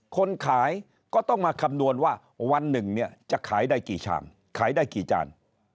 คนขายก็ต้องมาคำนวณว่าวันหนึ่งเนี่ยจะขายได้กี่ชามขายได้กี่จาน